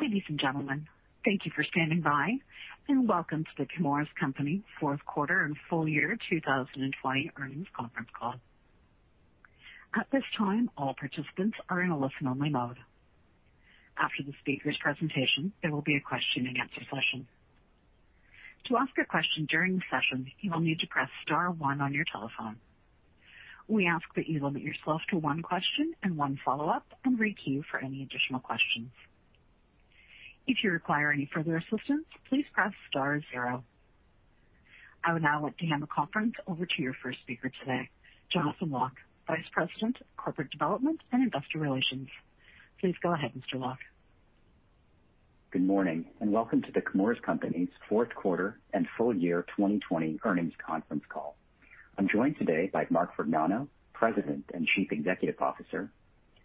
Ladies and gentlemen, thank you for standing by, and welcome to The Chemours Company fourth quarter and full-year 2020 earnings conference call. I would now like to hand the conference over to your first speaker today, Jonathan Lock, Vice President of Corporate Development and Investor Relations. Please go ahead, Mr. Lock. Good morning, and welcome to The Chemours Company's fourth quarter and full-year 2020 earnings conference call. I'm joined today by Mark Vergnano, President and Chief Executive Officer,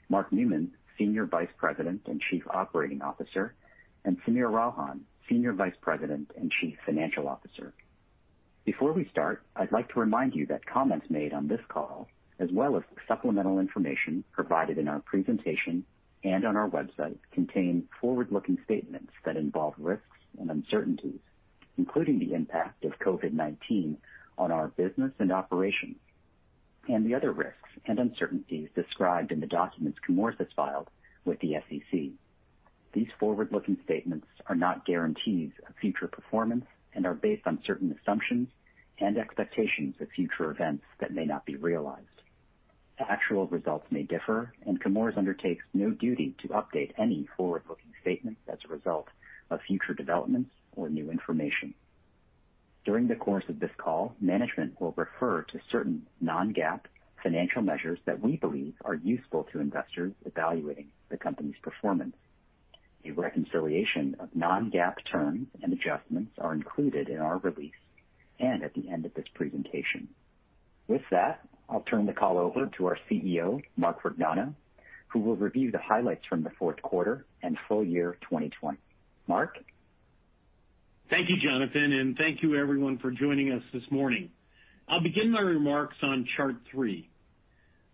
Mark Newman, Senior Vice President and Chief Operating Officer, and Sameer Ralhan, Senior Vice President and Chief Financial Officer. Before we start, I'd like to remind you that comments made on this call, as well as supplemental information provided in our presentation and on our website, contain forward-looking statements that involve risks and uncertainties, including the impact of COVID-19 on our business and operations, and the other risks and uncertainties described in the documents Chemours has filed with the SEC. These forward-looking statements are not guarantees of future performance and are based on certain assumptions and expectations of future events that may not be realized. Actual results may differ. Chemours undertakes no duty to update any forward-looking statements as a result of future developments or new information. During the course of this call, management will refer to certain non-GAAP financial measures that we believe are useful to investors evaluating the company's performance. A reconciliation of non-GAAP terms and adjustments are included in our release and at the end of this presentation. With that, I'll turn the call over to our CEO, Mark Vergnano, who will review the highlights from the fourth quarter and full-year 2020. Mark? Thank you, Jonathan, and thank you everyone for joining us this morning. I'll begin my remarks on chart three.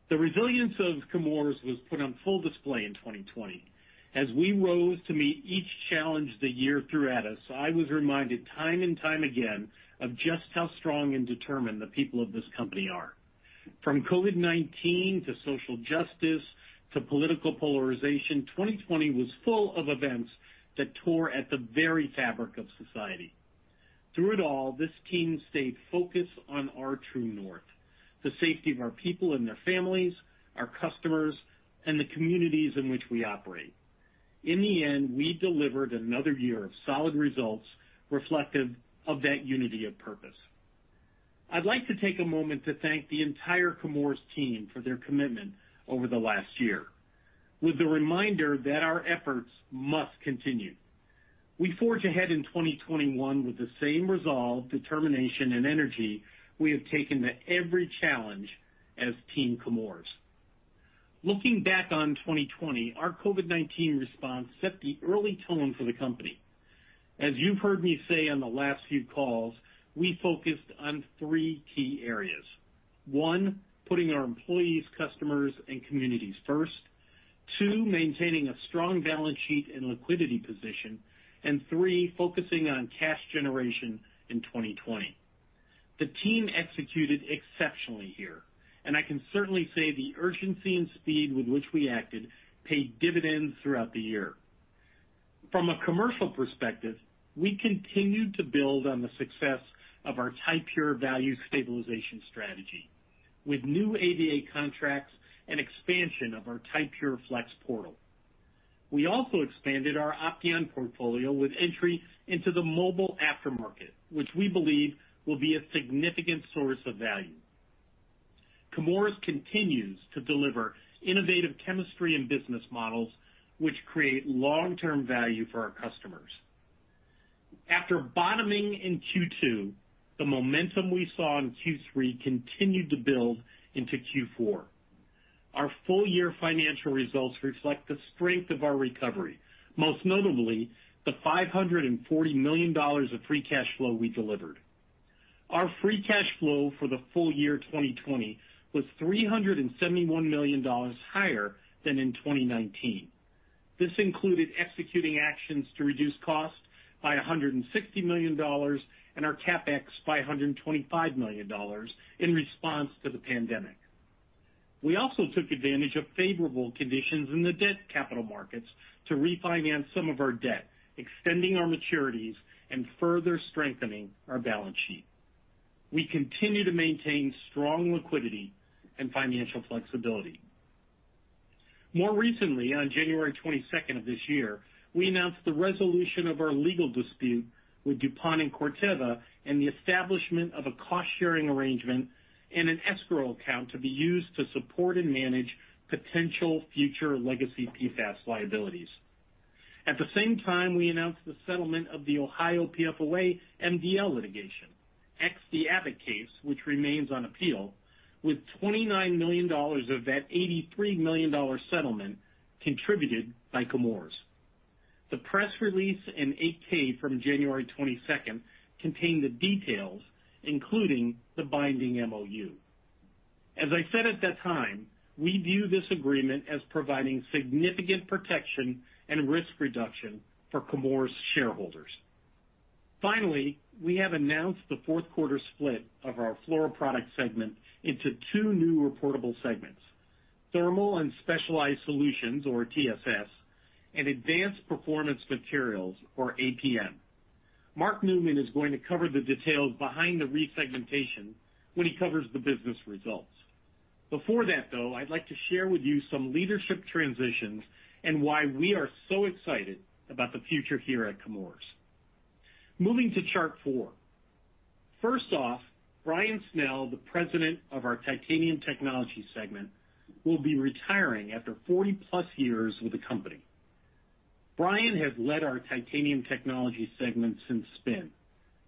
The resilience of Chemours was put on full display in 2020. As we rose to meet each challenge the year threw at us, I was reminded time and time again of just how strong and determined the people of this company are. From COVID-19 to social justice to political polarization, 2020 was full of events that tore at the very fabric of society. Through it all, this team stayed focused on our true north, the safety of our people and their families, our customers, and the communities in which we operate. In the end, we delivered another year of solid results reflective of that unity of purpose. I'd like to take a moment to thank the entire Chemours team for their commitment over the last year with the reminder that our efforts must continue. We forge ahead in 2021 with the same resolve, determination, and energy we have taken to every challenge as team Chemours. Looking back on 2020, our COVID-19 response set the early tone for the company. As you've heard me say on the last few calls, we focused on three key areas. One, putting our employees, customers, and communities first. Two, maintaining a strong balance sheet and liquidity position. Three, focusing on cash generation in 2020. The team executed exceptionally here, and I can certainly say the urgency and speed with which we acted paid dividends throughout the year. From a commercial perspective, we continued to build on the success of our Ti-Pure Value Stabilization strategy with new AVA contracts and expansion of our Ti-Pure Flex portal. We also expanded our Opteon portfolio with entry into the mobile aftermarket, which we believe will be a significant source of value. Chemours continues to deliver innovative chemistry and business models which create long-term value for our customers. After bottoming in Q2, the momentum we saw in Q3 continued to build into Q4. Our full-year financial results reflect the strength of our recovery, most notably the $540 million of free cash flow we delivered. Our free cash flow for the full-year 2020 was $371 million higher than in 2019. This included executing actions to reduce cost by $160 million and our CapEx by $125 million in response to the pandemic. We also took advantage of favorable conditions in the debt capital markets to refinance some of our debt, extending our maturities and further strengthening our balance sheet. We continue to maintain strong liquidity and financial flexibility. More recently, on January 22nd of this year, we announced the resolution of our legal dispute with DuPont and Corteva and the establishment of a cost-sharing arrangement and an escrow account to be used to support and manage potential future legacy PFAS liabilities. At the same time, we announced the settlement of the Ohio PFOA MDL litigation, ex the Abbott case, which remains on appeal, with $29 million of that $83 million settlement contributed by Chemours. The press release and 8-K from January 22nd contain the details, including the binding MOU. As I said at that time, we view this agreement as providing significant protection and risk reduction for Chemours shareholders. We have announced the fourth quarter split of our Fluoroproducts segment into two new reportable segments, Thermal & Specialized Solutions, or TSS, and Advanced Performance Materials, or APM. Mark Newman is going to cover the details behind the re-segmentation when he covers the business results. Before that, though, I'd like to share with you some leadership transitions and why we are so excited about the future here at Chemours. Moving to chart four. First off, Bryan Snell, the President of our Titanium Technologies segment, will be retiring after 40+ years with the company. Bryan has led our Titanium Technologies segment since spin.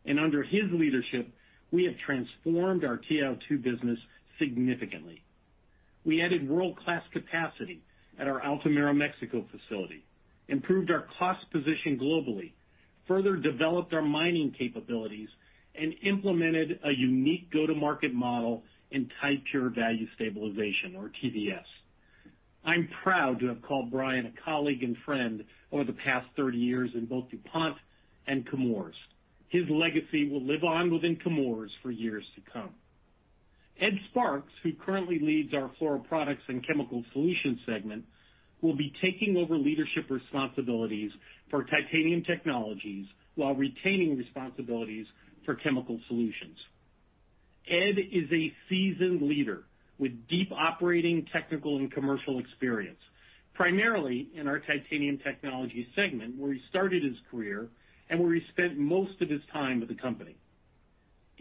Under his leadership, we have transformed our TiO2 business significantly. We added world-class capacity at our Altamira, Mexico facility, improved our cost position globally, further developed our mining capabilities, and implemented a unique go-to-market model in Ti-Pure Value Stabilization, or TVS. I'm proud to have called Bryan a colleague and friend over the past 30 years in both DuPont and Chemours. His legacy will live on within Chemours for years to come. Ed Sparks, who currently leads our Fluoroproducts and Chemical Solutions segment, will be taking over leadership responsibilities for Titanium Technologies while retaining responsibilities for Chemical Solutions. Ed is a seasoned leader with deep operating technical and commercial experience, primarily in our Titanium Technologies segment, where he started his career and where he spent most of his time with the company.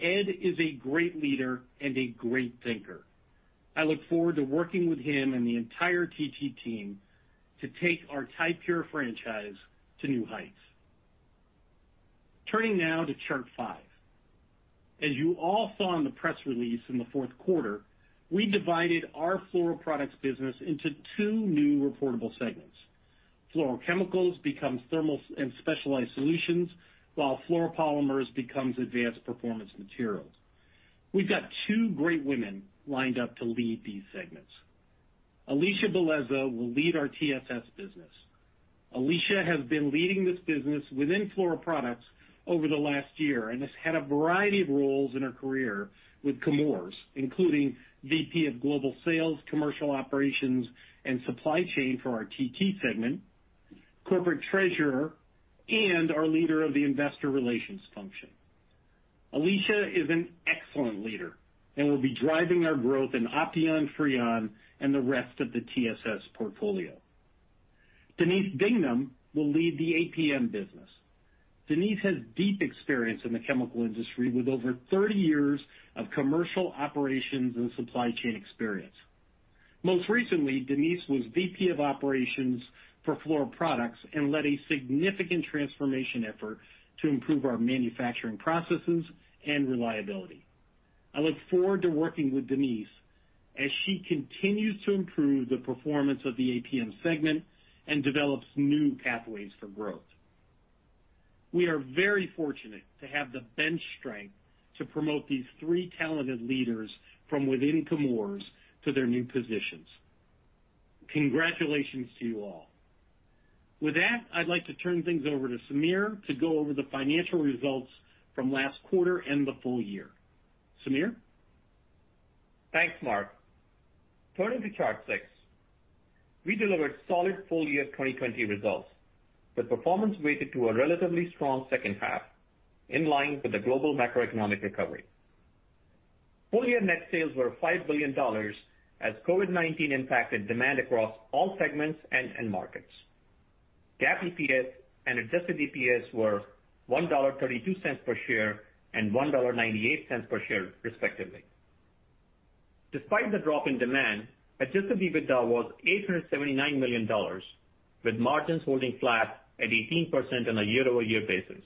Ed is a great leader and a great thinker. I look forward to working with him and the entire TT team to take our Ti-Pure franchise to new heights. Turning now to chart five. As you all saw in the press release in the fourth quarter, we divided our fluoroproducts business into two new reportable segments. Fluorochemicals becomes Thermal & Specialized Solutions, while Fluoropolymers becomes Advanced Performance Materials. We've got two great women lined up to lead these segments. Alisha Bellezza will lead our TSS business. Alisha has been leading this business within Fluoroproducts over the last year and has had a variety of roles in her career with Chemours, including VP of Global Sales, Commercial Operations, and Supply Chain for our TT segment, Corporate Treasurer, and our leader of the Investor Relations function. Alisha is an excellent leader and will be driving our growth in Opteon, Freon, and the rest of the TSS portfolio. Denise Dignam will lead the APM business. Denise has deep experience in the chemical industry with over 30 years of commercial operations and supply chain experience. Most recently, Denise was VP of Operations for Fluoroproducts and led a significant transformation effort to improve our manufacturing processes and reliability. I look forward to working with Denise as she continues to improve the performance of the APM segment and develops new pathways for growth. We are very fortunate to have the bench strength to promote these three talented leaders from within Chemours to their new positions. Congratulations to you all. With that, I'd like to turn things over to Sameer to go over the financial results from last quarter and the full-year. Sameer? Thanks, Mark. Turning to chart six. We delivered solid full-year 2020 results, with performance weighted to a relatively strong second half, in line with the global macroeconomic recovery. Full-year net sales were $5 billion as COVID-19 impacted demand across all segments and end markets. GAAP EPS and adjusted EPS were $1.32 per share and $1.98 per share, respectively. Despite the drop in demand, adjusted EBITDA was $879 million, with margins holding flat at 18% on a year-over-year basis.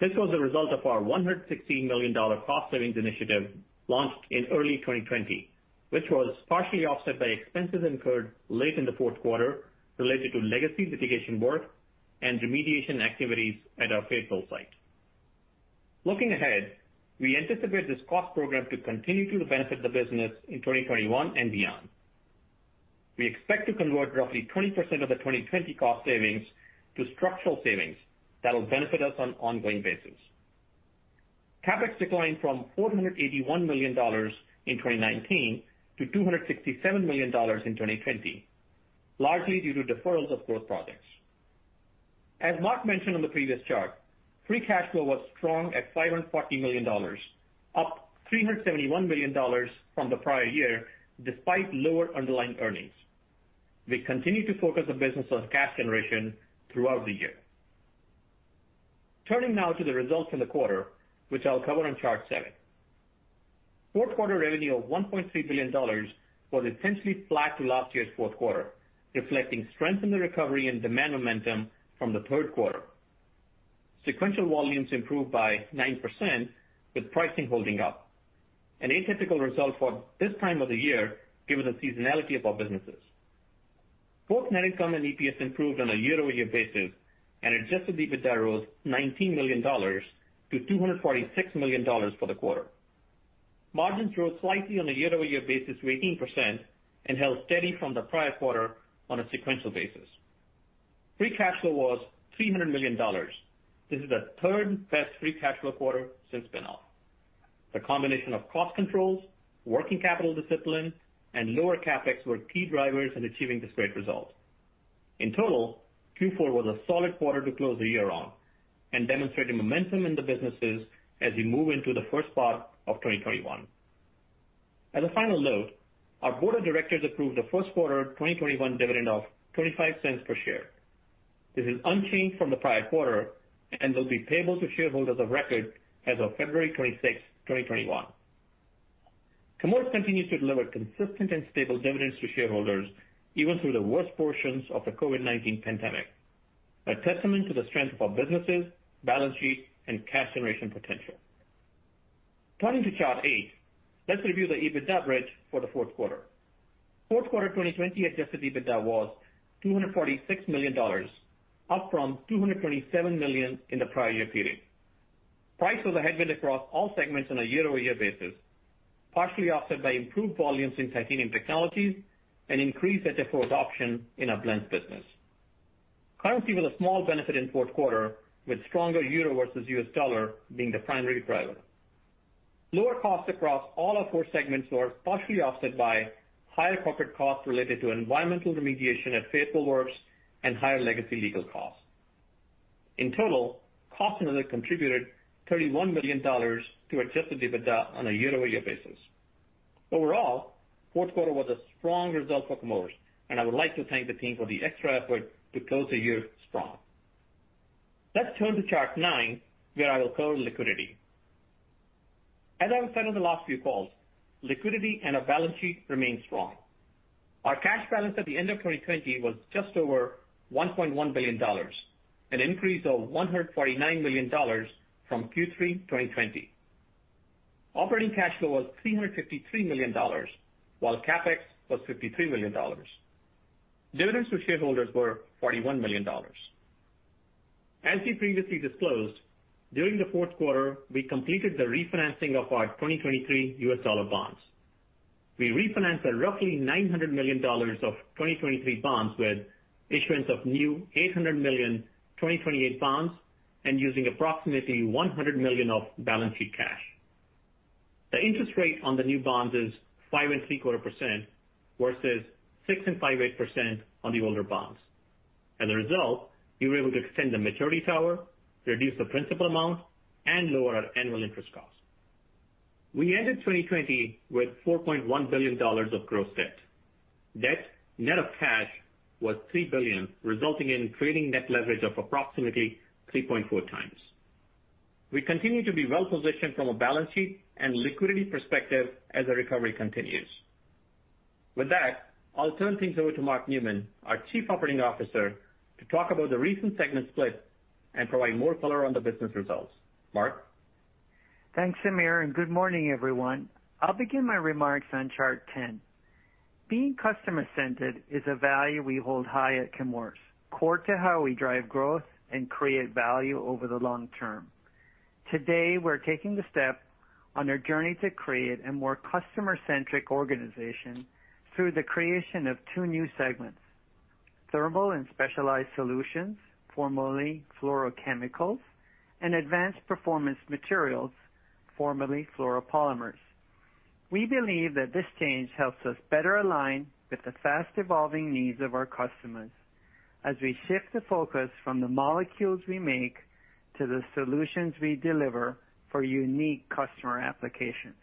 This was a result of our $116 million cost savings initiative launched in early 2020, which was partially offset by expenses incurred late in the fourth quarter related to legacy litigation work and remediation activities at our Fayetteville site. Looking ahead, we anticipate this cost program to continue to benefit the business in 2021 and beyond. We expect to convert roughly 20% of the 2020 cost savings to structural savings that will benefit us on an ongoing basis. CapEx declined from $481 million in 2019 to $267 million in 2020, largely due to deferrals of growth projects. As Mark mentioned on the previous chart, free cash flow was strong at $540 million, up $371 million from the prior year despite lower underlying earnings. We continued to focus the business on cash generation throughout the year. Turning now to the results in the quarter, which I'll cover on chart seven. Fourth quarter revenue of $1.3 billion was essentially flat to last year's fourth quarter, reflecting strength in the recovery and demand momentum from the third quarter. Sequential volumes improved by 9%, with pricing holding up, an atypical result for this time of the year given the seasonality of our businesses. Both net income and EPS improved on a year-over-year basis, and adjusted EBITDA rose $19 million to $246 million for the quarter. Margins rose slightly on a year-over-year basis to 18% and held steady from the prior quarter on a sequential basis. Free cash flow was $300 million. This is the third-best free cash flow quarter since spin-off. The combination of cost controls, working capital discipline, and lower CapEx were key drivers in achieving this great result. In total, Q4 was a solid quarter to close the year on and demonstrated momentum in the businesses as we move into the first part of 2021. As a final note, our board of directors approved the first quarter 2021 dividend of $0.25 per share. This is unchanged from the prior quarter and will be payable to shareholders of record as of February 26, 2021. Chemours continues to deliver consistent and stable dividends to shareholders, even through the worst portions of the COVID-19 pandemic, a testament to the strength of our businesses, balance sheet, and cash generation potential. Turning to chart eight, let's review the EBITDA bridge for the fourth quarter. Fourth quarter 2020 adjusted EBITDA was $246 million, up from $227 million in the prior year period. Price was a headwind across all segments on a year-over-year basis, partially offset by improved volumes in Titanium Technologies and increased HFO adoption in our Blends business. Currency was a small benefit in fourth quarter, with stronger euro versus U.S. dollar being the primary driver. Lower costs across all our four segments were partially offset by higher corporate costs related to environmental remediation at Fayetteville Works and higher legacy legal costs. In total, cost and other contributed $31 million to adjusted EBITDA on a year-over-year basis. Overall, fourth quarter was a strong result for Chemours, and I would like to thank the team for the extra effort to close the year strong. Let's turn to chart nine, where I will cover liquidity. As I have said on the last few calls, liquidity and our balance sheet remain strong. Our cash balance at the end of 2020 was just over $1.1 billion, an increase of $149 million from Q3 2020. Operating cash flow was $353 million, while CapEx was $53 million. Dividends to shareholders were $41 million. As we previously disclosed, during the fourth quarter, we completed the refinancing of our 2023 U.S. dollar bonds. We refinanced a roughly $900 million of 2023 bonds with issuance of new $800 million 2028 bonds and using approximately $100 million of balance sheet cash. The interest rate on the new bonds is 5.75% versus 6.58% on the older bonds. As a result, we were able to extend the maturity tower, reduce the principal amount, and lower our annual interest cost. We ended 2020 with $4.1 billion of gross debt. Debt net of cash was $3 billion, resulting in creating net leverage of approximately 3.4x. We continue to be well-positioned from a balance sheet and liquidity perspective as the recovery continues. With that, I'll turn things over to Mark Newman, our Chief Operating Officer, to talk about the recent segment split and provide more color on the business results. Mark? Thanks, Sameer, and good morning, everyone. I'll begin my remarks on chart 10. Being customer-centered is a value we hold high at Chemours, core to how we drive growth and create value over the long term. Today, we're taking the step on our journey to create a more customer-centric organization through the creation of two new segments, Thermal & Specialized Solutions, formerly Fluorochemicals, and Advanced Performance Materials, formerly Fluoropolymers. We believe that this change helps us better align with the fast-evolving needs of our customers as we shift the focus from the molecules we make to the solutions we deliver for unique customer applications.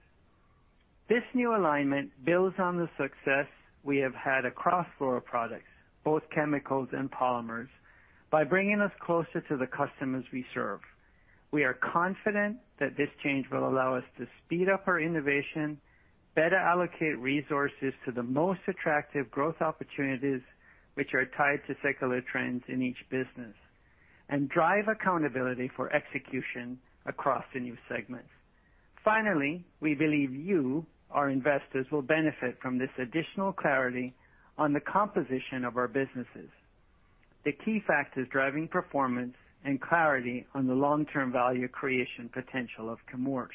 This new alignment builds on the success we have had across fluoro products, both chemicals and polymers, by bringing us closer to the customers we serve. We are confident that this change will allow us to speed up our innovation, better allocate resources to the most attractive growth opportunities which are tied to secular trends in each business, and drive accountability for execution across the new segments. Finally, we believe you, our investors, will benefit from this additional clarity on the composition of our businesses, the key factors driving performance, and clarity on the long-term value creation potential of Chemours.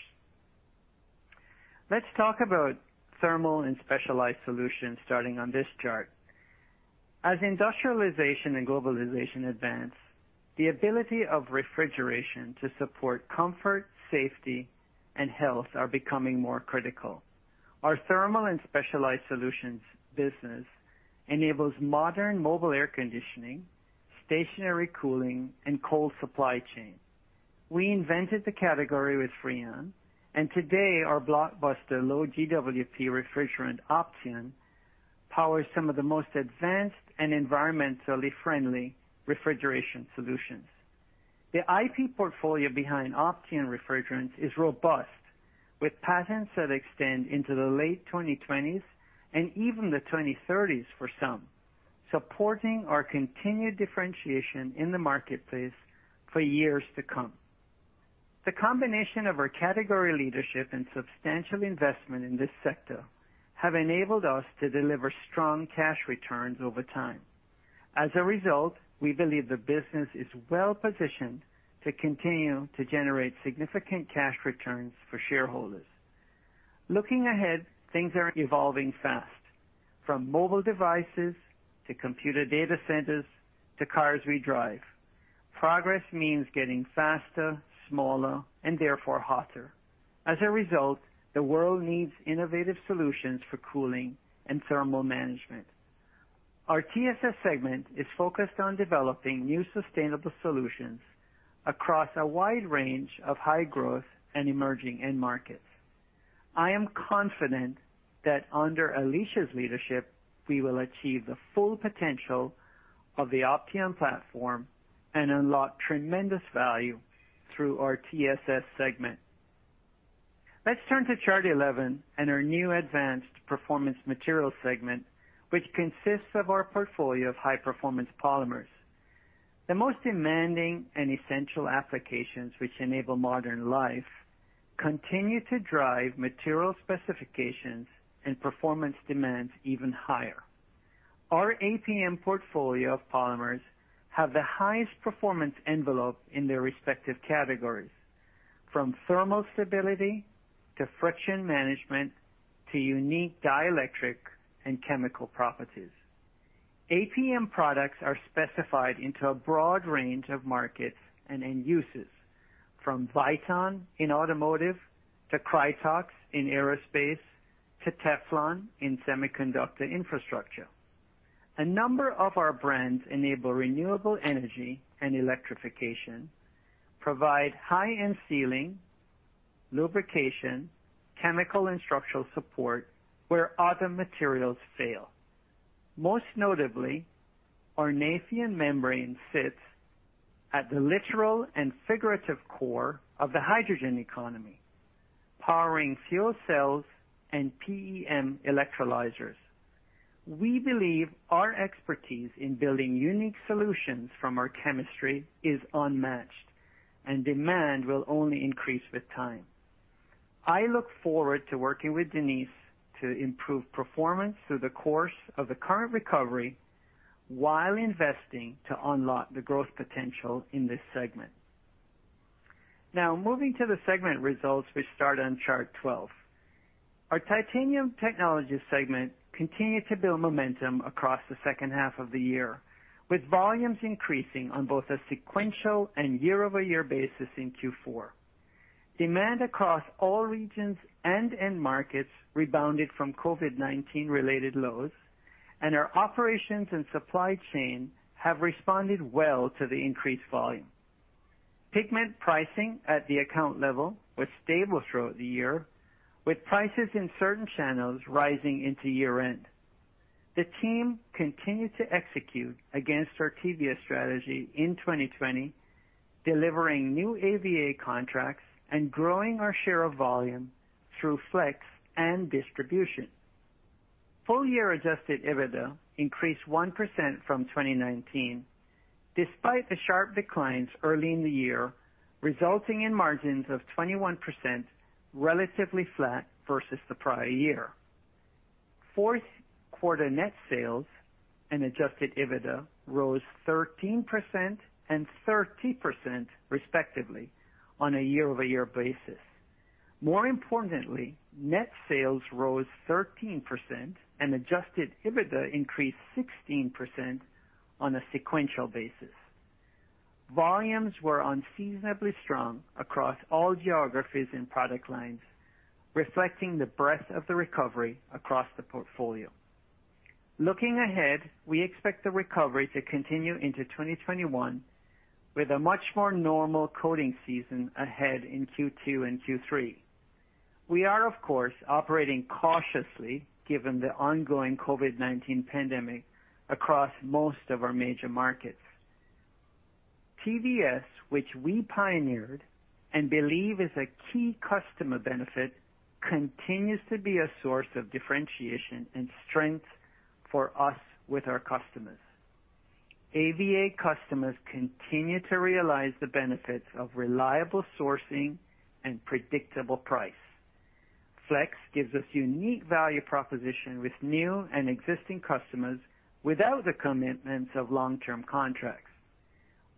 Let's talk about Thermal & Specialized Solutions, starting on this chart. As industrialization and globalization advance, the ability of refrigeration to support comfort, safety, and health are becoming more critical. Our Thermal & Specialized Solutions business enables modern mobile air conditioning, stationary cooling, and cold supply chain. We invented the category with Freon, and today, our blockbuster low GWP refrigerant Opteon powers some of the most advanced and environmentally friendly refrigeration solutions. The IP portfolio behind Opteon refrigerants is robust, with patents that extend into the late 2020s and even the 2030s for some, supporting our continued differentiation in the marketplace for years to come. The combination of our category leadership and substantial investment in this sector have enabled us to deliver strong cash returns over time. As a result, we believe the business is well-positioned to continue to generate significant cash returns for shareholders. Looking ahead, things are evolving fast, from mobile devices to computer data centers to cars we drive. Progress means getting faster, smaller, and therefore hotter. As a result, the world needs innovative solutions for cooling and thermal management. Our TSS segment is focused on developing new sustainable solutions across a wide range of high growth and emerging end markets. I am confident that under Alisha's leadership, we will achieve the full potential of the Opteon platform and unlock tremendous value through our TSS segment. Let's turn to chart 11 and our new Advanced Performance Materials segment, which consists of our portfolio of high-performance polymers. The most demanding and essential applications which enable modern life continue to drive material specifications and performance demands even higher. Our APM portfolio of polymers have the highest performance envelope in their respective categories, from thermal stability to friction management to unique dielectric and chemical properties. APM products are specified into a broad range of markets and end uses, from Viton in automotive to Krytox in aerospace to Teflon in semiconductor infrastructure. A number of our brands enable renewable energy and electrification, provide high-end sealing, lubrication, chemical and structural support where other materials fail. Most notably, our Nafion membrane sits at the literal and figurative core of the hydrogen economy, powering fuel cells and PEM electrolyzers. We believe our expertise in building unique solutions from our chemistry is unmatched. Demand will only increase with time. I look forward to working with Denise to improve performance through the course of the current recovery while investing to unlock the growth potential in this segment. Moving to the segment results, which start on chart 12. Our Titanium Technologies segment continued to build momentum across the second half of the year, with volumes increasing on both a sequential and year-over-year basis in Q4. Demand across all regions and end markets rebounded from COVID-19 related lows. Our operations and supply chain have responded well to the increased volume. Pigment pricing at the account level was stable throughout the year, with prices in certain channels rising into year-end. The team continued to execute against our TVS strategy in 2020, delivering new AVA contracts and growing our share of volume through Ti-Pure Flex and distribution. full-year adjusted EBITDA increased 1% from 2019, despite the sharp declines early in the year, resulting in margins of 21%, relatively flat versus the prior year. Fourth quarter net sales and adjusted EBITDA rose 13% and 13% respectively on a year-over-year basis. More importantly, net sales rose 13% and adjusted EBITDA increased 16% on a sequential basis. Volumes were unseasonably strong across all geographies and product lines, reflecting the breadth of the recovery across the portfolio. Looking ahead, we expect the recovery to continue into 2021 with a much more normal coating season ahead in Q2 and Q3. We are, of course, operating cautiously given the ongoing COVID-19 pandemic across most of our major markets. TVS, which we pioneered and believe is a key customer benefit, continues to be a source of differentiation and strength for us with our customers. AVA customers continue to realize the benefits of reliable sourcing and predictable price. Flex gives us unique value proposition with new and existing customers without the commitments of long-term contracts.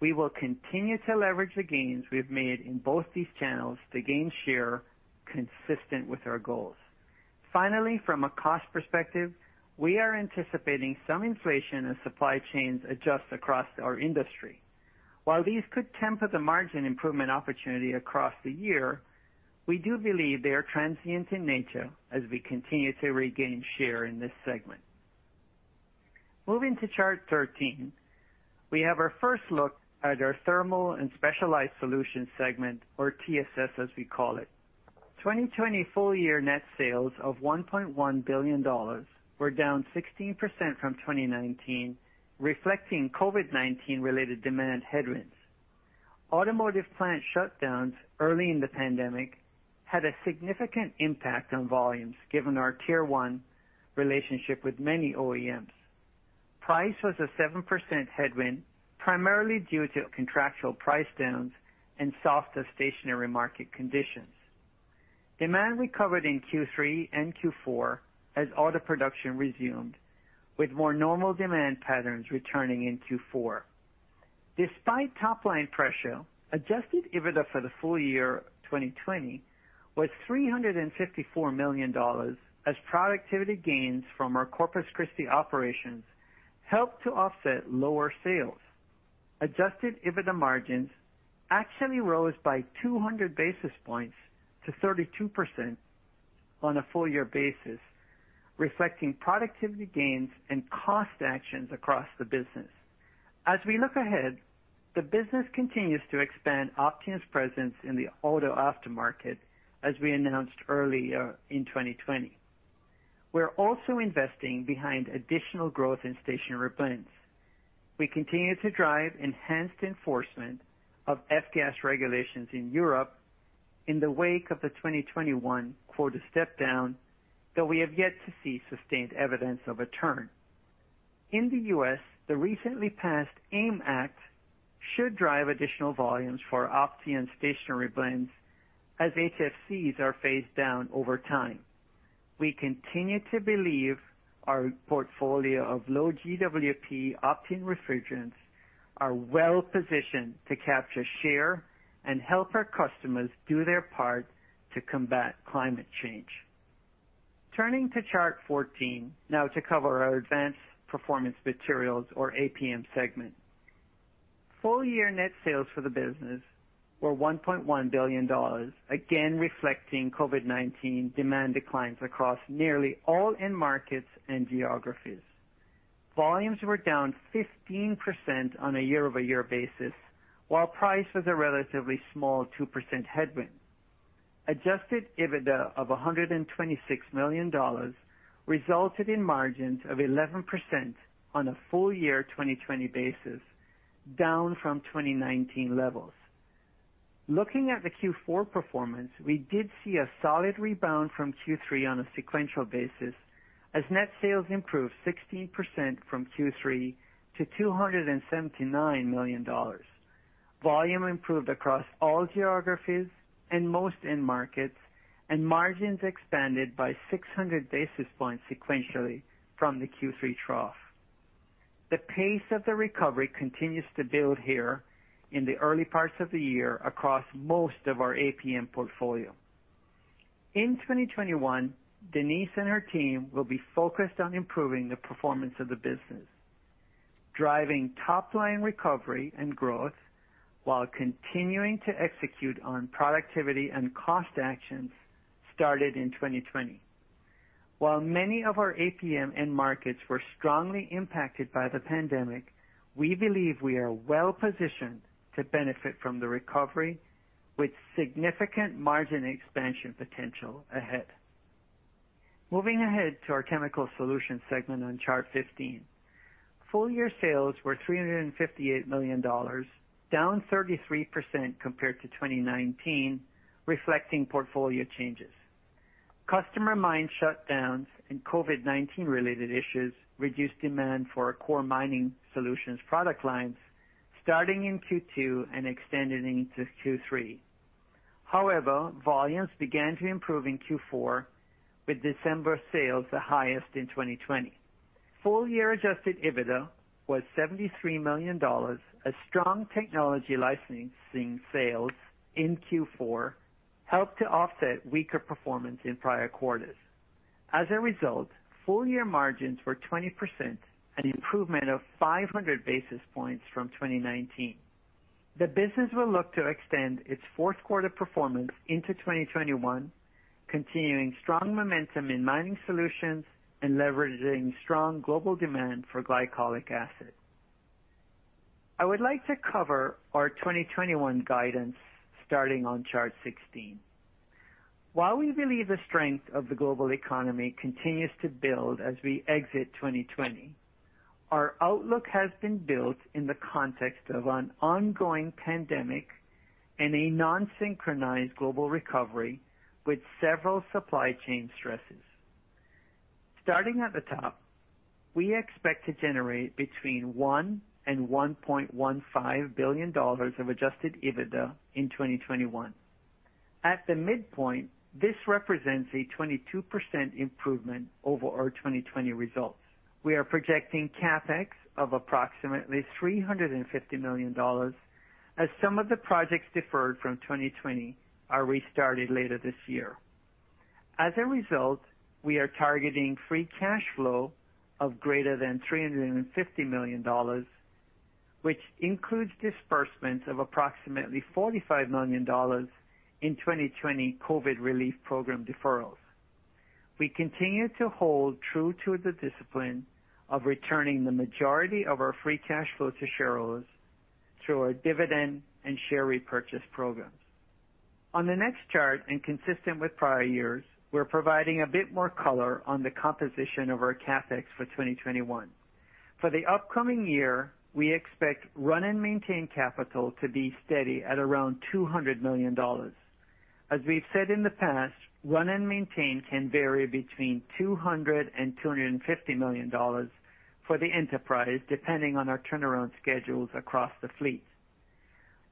We will continue to leverage the gains we've made in both these channels to gain share consistent with our goals. Finally, from a cost perspective, we are anticipating some inflation as supply chains adjust across our industry. While these could temper the margin improvement opportunity across the year, we do believe they are transient in nature as we continue to regain share in this segment. Moving to chart 13, we have our first look at our Thermal & Specialized Solutions segment, or TSS, as we call it. 2020 full-year net sales of $1.1 billion were down 16% from 2019, reflecting COVID-19 related demand headwinds. Automotive plant shutdowns early in the pandemic had a significant impact on volumes given our Tier 1 relationship with many OEMs. Price was a 7% headwind, primarily due to contractual price downs and softer stationary market conditions. Demand recovered in Q3 and Q4 as auto production resumed, with more normal demand patterns returning in Q4. Despite top-line pressure, adjusted EBITDA for the full-year 2020 was $354 million as productivity gains from our Corpus Christi operations helped to offset lower sales. Adjusted EBITDA margins actually rose by 200 basis points to 32% on a full-year basis, reflecting productivity gains and cost actions across the business. As we look ahead, the business continues to expand Opteon's presence in the auto aftermarket, as we announced earlier in 2020. We're also investing behind additional growth in stationary blends. We continue to drive enhanced enforcement of F-gas regulations in Europe in the wake of the 2021 quota step-down, though we have yet to see sustained evidence of a turn. In the U.S., the recently passed AIM Act should drive additional volumes for Opteon stationary blends as HFCs are phased down over time. We continue to believe our portfolio of low GWP Opteon refrigerants are well-positioned to capture share and help our customers do their part to combat climate change. Turning to chart 14 now to cover our Advanced Performance Materials or APM segment. full-year net sales for the business were $1.1 billion, again reflecting COVID-19 demand declines across nearly all end markets and geographies. Volumes were down 15% on a year-over-year basis, while price was a relatively small 2% headwind. Adjusted EBITDA of $126 million resulted in margins of 11% on a full-year 2020 basis, down from 2019 levels. Looking at the Q4 performance, we did see a solid rebound from Q3 on a sequential basis as net sales improved 16% from Q3 to $279 million. Volume improved across all geographies and most end markets, and margins expanded by 600 basis points sequentially from the Q3 trough. The pace of the recovery continues to build here in the early parts of the year across most of our APM portfolio. In 2021, Denise and her team will be focused on improving the performance of the business, driving top-line recovery and growth while continuing to execute on productivity and cost actions started in 2020. While many of our APM end markets were strongly impacted by the pandemic, we believe we are well-positioned to benefit from the recovery with significant margin expansion potential ahead. Moving ahead to our Chemical Solutions segment on chart 15. Full-year sales were $358 million, down 33% compared to 2019, reflecting portfolio changes. Customer mine shutdowns and COVID-19 related issues reduced demand for our core mining solutions product lines starting in Q2 and extending into Q3. However, volumes began to improve in Q4 with December sales the highest in 2020. full-year adjusted EBITDA was $73 million as strong technology licensing sales in Q4 helped to offset weaker performance in prior quarters. As a result, full-year margins were 20%, an improvement of 500 basis points from 2019. The business will look to extend its fourth quarter performance into 2021, continuing strong momentum in mining solutions and leveraging strong global demand for glycolic acid. I would like to cover our 2021 guidance starting on chart 16. While we believe the strength of the global economy continues to build as we exit 2020, our outlook has been built in the context of an ongoing pandemic and a non-synchronized global recovery with several supply chain stresses. Starting at the top, we expect to generate between $1 billion and $1.15 billion of adjusted EBITDA in 2021. At the midpoint, this represents a 22% improvement over our 2020 results. We are projecting CapEx of approximately $350 million as some of the projects deferred from 2020 are restarted later this year. As a result, we are targeting free cash flow of greater than $350 million, which includes disbursements of approximately $45 million in 2020 COVID relief program deferrals. We continue to hold true to the discipline of returning the majority of our free cash flow to shareholders through our dividend and share repurchase programs. On the next chart, and consistent with prior years, we're providing a bit more color on the composition of our CapEx for 2021. For the upcoming year, we expect run and maintain capital to be steady at around $200 million. As we've said in the past, run and maintain can vary between $200 million and $250 million for the enterprise, depending on our turnaround schedules across the fleet.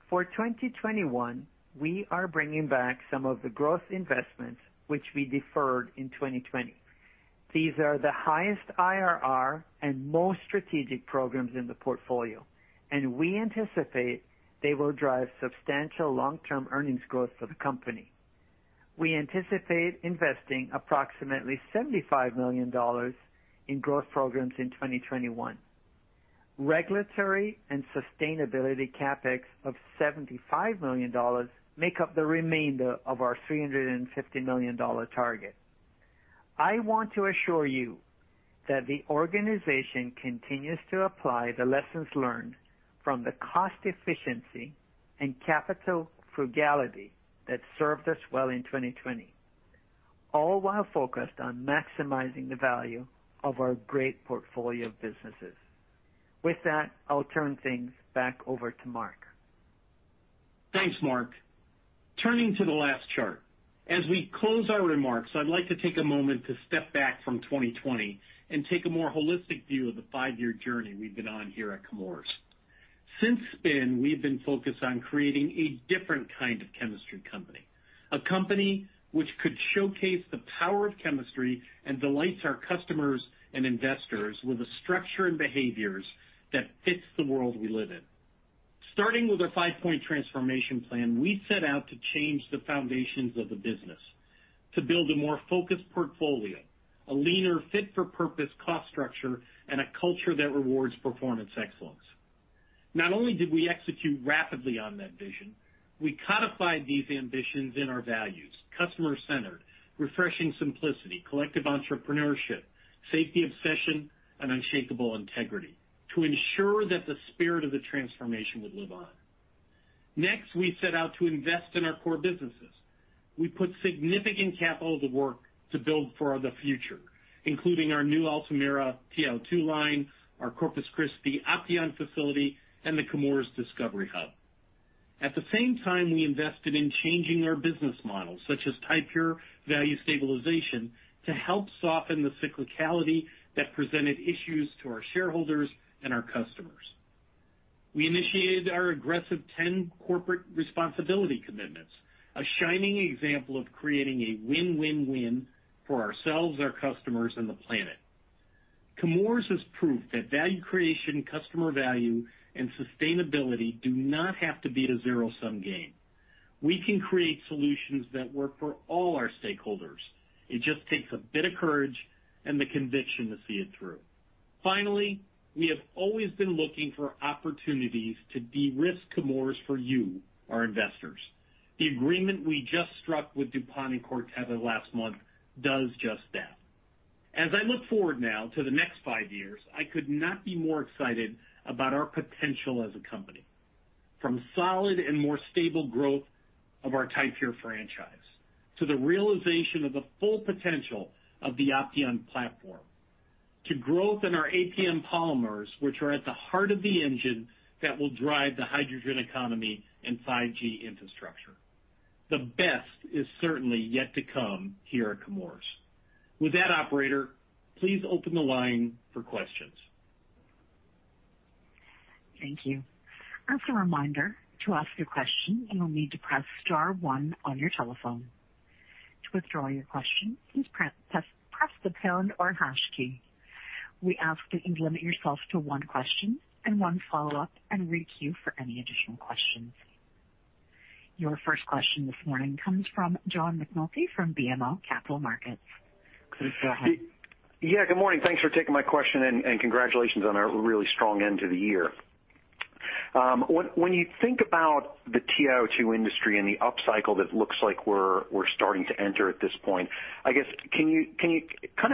For 2021, we are bringing back some of the growth investments which we deferred in 2020. These are the highest IRR and most strategic programs in the portfolio, and we anticipate they will drive substantial long-term earnings growth for the company. We anticipate investing approximately $75 million in growth programs in 2021. Regulatory and sustainability CapEx of $75 million make up the remainder of our $350 million target. I want to assure you that the organization continues to apply the lessons learned from the cost efficiency and capital frugality that served us well in 2020, all while focused on maximizing the value of our great portfolio of businesses. With that, I'll turn things back over to Mark. Thanks, Mark. Turning to the last chart. As we close our remarks, I'd like to take a moment to step back from 2020 and take a more holistic view of the five-year journey we've been on here at Chemours. Since spin, we've been focused on creating a different kind of chemistry company, a company which could showcase the power of chemistry and delights our customers and investors with a structure and behaviors that fits the world we live in. Starting with a five-point transformation plan, we set out to change the foundations of the business to build a more focused portfolio, a leaner fit-for-purpose cost structure, and a culture that rewards performance excellence. Not only did we execute rapidly on that vision, we codified these ambitions in our values, customer-centered, refreshing simplicity, collective entrepreneurship, safety obsession, and unshakable integrity to ensure that the spirit of the transformation would live on. Next, we set out to invest in our core businesses. We put significant capital to work to build for the future, including our new Altamira TiO2 line, our Corpus Christi Opteon facility, and the Chemours Discovery Hub. At the same time, we invested in changing our business models, such as Ti-Pure Value Stabilization, to help soften the cyclicality that presented issues to our shareholders and our customers. We initiated our aggressive 10 corporate responsibility commitments, a shining example of creating a win-win-win for ourselves, our customers, and the planet. Chemours is proof that value creation, customer value, and sustainability do not have to be a zero-sum game. We can create solutions that work for all our stakeholders. It just takes a bit of courage and the conviction to see it through. Finally, we have always been looking for opportunities to de-risk Chemours for you, our investors. The agreement we just struck with DuPont and Corteva last month does just that. As I look forward now to the next five years, I could not be more excited about our potential as a company. From solid and more stable growth of our Ti-Pure franchise, to the realization of the full potential of the Opteon platform, to growth in our APM polymers, which are at the heart of the engine that will drive the hydrogen economy and 5G infrastructure. The best is certainly yet to come here at Chemours. With that, operator, please open the line for questions. Thank you. As a reminder, to ask a question, you'll need to press star one on your telephone. To withdraw your question, please press the pound or hash key. We ask that you limit yourself to one question and one follow-up and re-queue for any additional questions. Your first question this morning comes from John McNulty from BMO Capital Markets. Please go ahead. Yeah, good morning. Thanks for taking my question, and congratulations on a really strong end to the year. When you think about the TiO2 industry and the upcycle that looks like we're starting to enter at this point, I guess, can you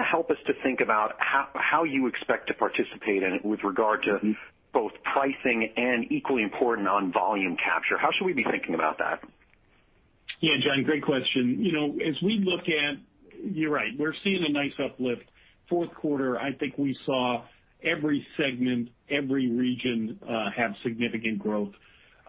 help us to think about how you expect to participate in it with regard to both pricing and equally important on volume capture? How should we be thinking about that? Yeah, John, great question. You're right. We're seeing a nice uplift. Fourth quarter, I think we saw every segment, every region have significant growth.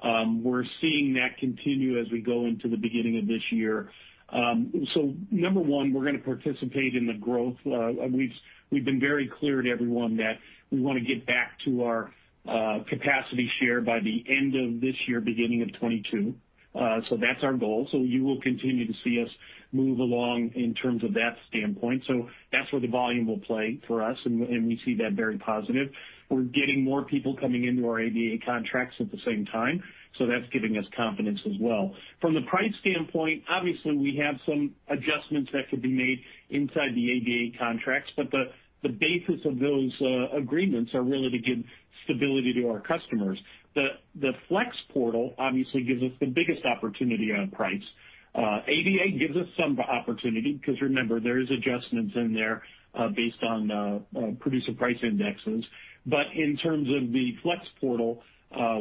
We're seeing that continue as we go into the beginning of this year. Number one, we're going to participate in the growth. We've been very clear to everyone that we want to get back to our capacity share by the end of this year, beginning of 2022. That's our goal. You will continue to see us move along in terms of that standpoint. That's where the volume will play for us, and we see that very positive. We're getting more people coming into our AVA contracts at the same time, so that's giving us confidence as well. From the price standpoint, obviously, we have some adjustments that could be made inside the AVA contracts. The basis of those agreements are really to give stability to our customers. The Flex portal obviously gives us the biggest opportunity on price. AVA gives us some opportunity because remember, there is adjustments in there based on producer price indexes. In terms of the Flex portal,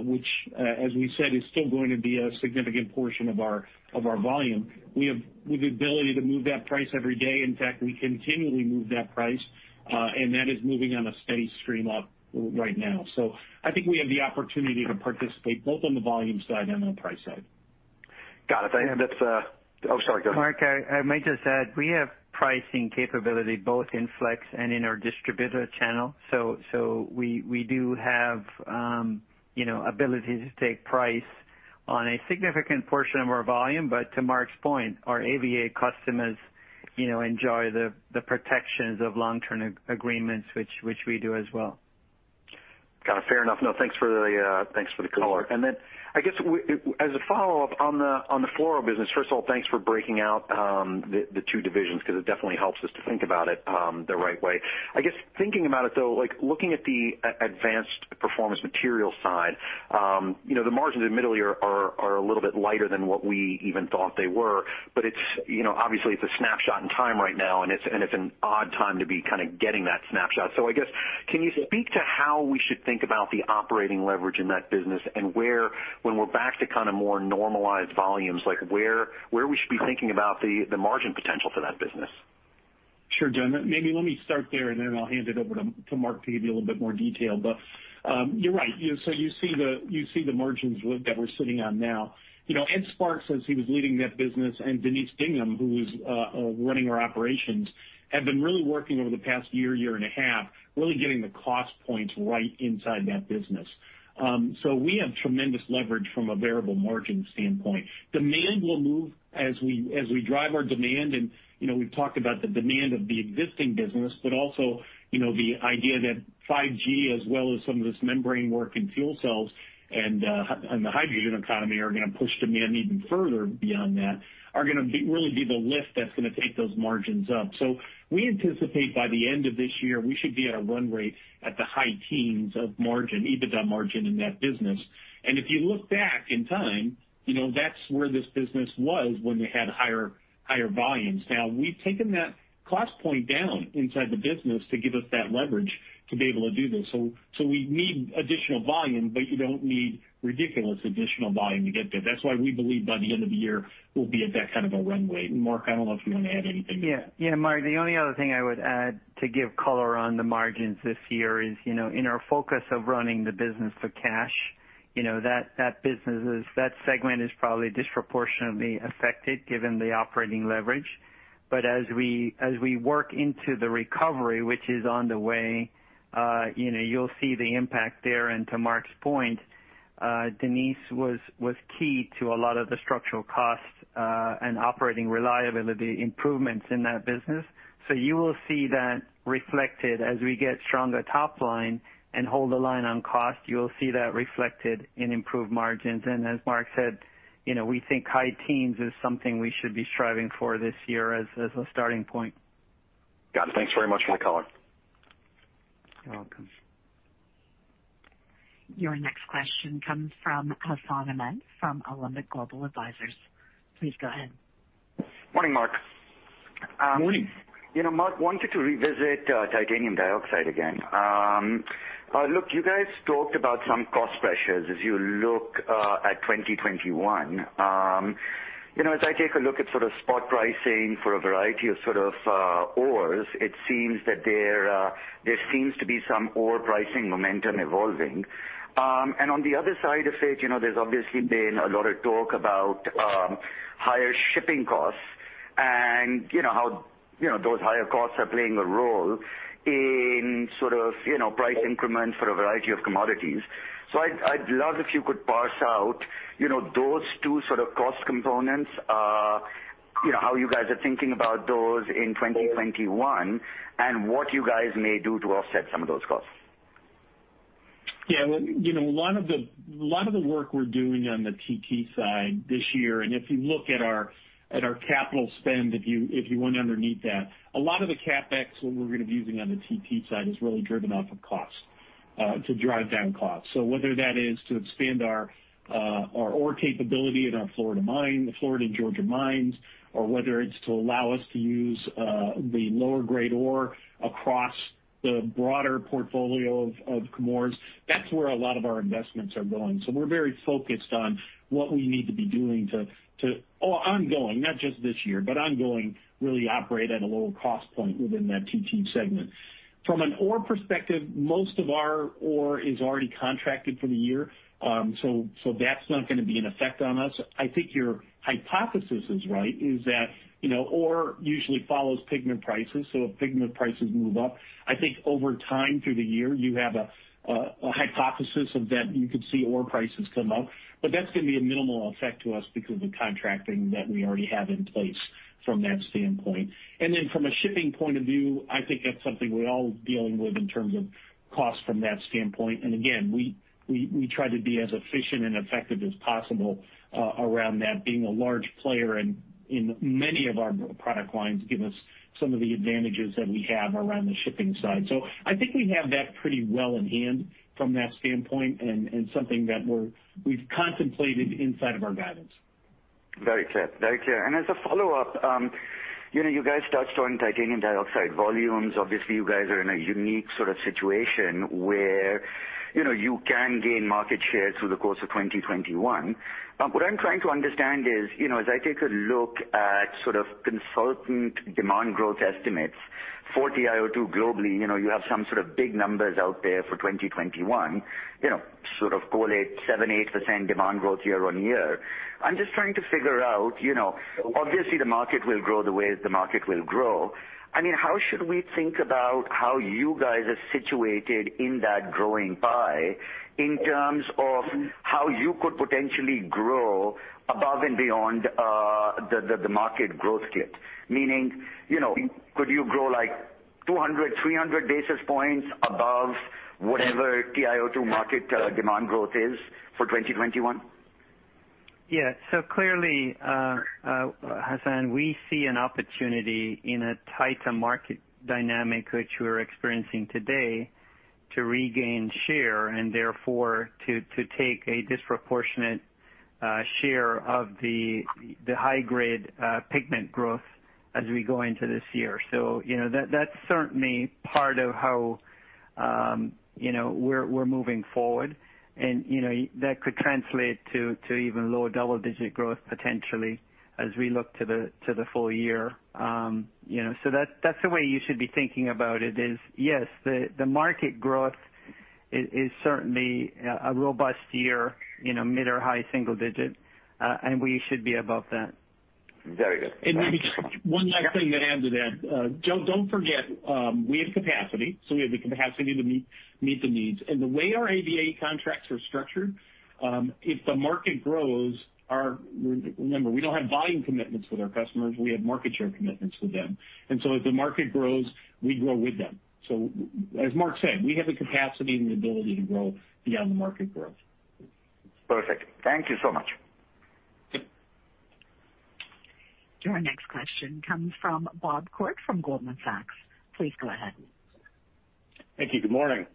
which as we said, is still going to be a significant portion of our volume, we have the ability to move that price every day. In fact, we continually move that price. That is moving on a steady stream up right now. I think we have the opportunity to participate both on the volume side and on the price side. Got it. Thank you. Oh, sorry, go ahead. Mark, I might just add, we have pricing capability both in Flex and in our distributor channel. We do have ability to take price on a significant portion of our volume. To Mark's point, our AVA customers enjoy the protections of long-term agreements, which we do as well. Got it. Fair enough. Thanks for the color. I guess as a follow-up on the fluoro business, first of all, thanks for breaking out the two divisions, because it definitely helps us to think about it the right way. I guess thinking about it, though, looking at the Advanced Performance Materials side, the margins in the middle of the year are a little bit lighter than what we even thought they were, but obviously it's a snapshot in time right now, and it's an odd time to be kind of getting that snapshot. I guess, can you speak to how we should think about the operating leverage in that business and where, when we're back to kind of more normalized volumes, where we should be thinking about the margin potential for that business? Sure, John. Maybe let me start there, and then I'll hand it over to Mark to give you a little bit more detail. You're right. So you see the margins that we're sitting on now. Ed Sparks, as he was leading that business, and Denise Dignam, who was running our operations, have been really working over the past year and a half, really getting the cost points right inside that business. So we have tremendous leverage from a variable margin standpoint. Demand will move as we drive our demand. We've talked about the demand of the existing business, but also the idea that 5G as well as some of this membrane work in fuel cells and the hydrogen economy are going to push demand even further beyond that are going to really be the lift that's going to take those margins up. We anticipate by the end of this year, we should be at a run rate at the high teens of margin, EBITDA margin in that business. If you look back in time, that's where this business was when we had higher volumes. Now, we've taken that cost point down inside the business to give us that leverage to be able to do this. We need additional volume, but you don't need ridiculous additional volume to get there. That's why we believe by the end of the year, we'll be at that kind of a run rate. Mark, I don't know if you want to add anything to that. Yeah. Mark, the only other thing I would add to give color on the margins this year is in our focus of running the business for cash, that segment is probably disproportionately affected given the operating leverage. As we work into the recovery, which is on the way, you'll see the impact there. To Mark's point, Denise was key to a lot of the structural costs and operating reliability improvements in that business. You will see that reflected as we get stronger top line and hold the line on cost. You'll see that reflected in improved margins. As Mark said, we think high teens is something we should be striving for this year as a starting point. Got it. Thanks very much for the color. You're welcome. Your next question comes from Hassan Ahmed from Alembic Global Advisors. Please go ahead. Morning, Mark. Morning. Mark, wanted to revisit titanium dioxide again. Look, you guys talked about some cost pressures as you look at 2021. As I take a look at sort of spot pricing for a variety of sort of ores, it seems that there seems to be some ore pricing momentum evolving. On the other side of it, there's obviously been a lot of talk about higher shipping costs and how those higher costs are playing a role in sort of price increments for a variety of commodities. I'd love if you could parse out those two sort of cost components, how you guys are thinking about those in 2021, and what you guys may do to offset some of those costs. Yeah. A lot of the work we're doing on the TT side this year. If you look at our capital spend, if you went underneath that, a lot of the CapEx that we're going to be using on the TT side is really driven off of costs to drive down costs. Whether that is to expand our ore capability in our Florida and Georgia mines, or whether it's to allow us to use the lower grade ore across the broader portfolio of Chemours, that's where a lot of our investments are going. We're very focused on what we need to be doing to ongoing, not just this year, but ongoing really operate at a lower cost point within that TT segment. From an ore perspective, most of our ore is already contracted for the year. That's not going to be an effect on us. I think your hypothesis is right, is that ore usually follows pigment prices. If pigment prices move up, I think over time through the year, you have a hypothesis of that you could see ore prices come up. That's going to be a minimal effect to us because of contracting that we already have in place from that standpoint. From a shipping point of view, I think that's something we're all dealing with in terms of cost from that standpoint. Again, we try to be as efficient and effective as possible around that being a large player in many of our product lines give us some of the advantages that we have around the shipping side. I think we have that pretty well in hand from that standpoint and something that we've contemplated inside of our guidance. Very clear. As a follow-up, you guys touched on titanium dioxide volumes. Obviously, you guys are in a unique sort of situation where you can gain market share through the course of 2021. What I'm trying to understand is, as I take a look at sort of consultant demand growth estimates for TiO2 globally, you have some sort of big numbers out there for 2021, sort of call it 7%, 8% demand growth year on year. I'm just trying to figure out, obviously, the market will grow the way the market will grow. I mean, how should we think about how you guys are situated in that growing pie in terms of how you could potentially grow above and beyond the market growth, right? Meaning, could you grow 200, 300 basis points above whatever TiO2 market demand growth is for 2021? Yeah. Clearly, Hassan, we see an opportunity in a tighter market dynamic, which we're experiencing today, to regain share and therefore to take a disproportionate share of the high-grade pigment growth as we go into this year. That's certainly part of how we're moving forward and that could translate to even lower double-digit growth potentially as we look to the full-year. That's the way you should be thinking about it is, yes, the market growth is certainly a robust year, mid or high single digit. We should be above that. Very good. Thanks. Maybe just one last thing to add to that. Don't forget, we have capacity, so we have the capacity to meet the needs. The way our AVA contracts are structured, if the market grows, remember, we don't have volume commitments with our customers. We have market share commitments with them. If the market grows, we grow with them. As Mark said, we have the capacity and the ability to grow beyond the market growth. Perfect. Thank you so much. Yep. Your next question comes from Bob Koort from Goldman Sachs. Please go ahead. Thank you. Good morning.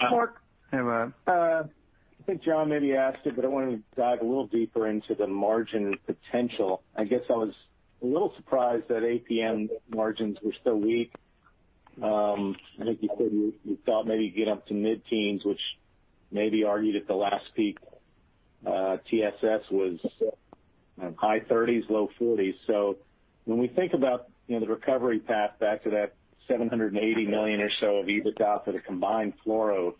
Hey, Bob. I think John maybe asked it. I wanted to dive a little deeper into the margin potential. I guess I was a little surprised that APM margins were so weak. I think you said you thought maybe you'd get up to mid-teens, which maybe argued at the last peak, TSS was high 30s, low 40s. When we think about the recovery path back to that $780 million or so of EBITDA for the combined fluoro,